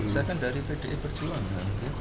saya kan dari pdi perjuangan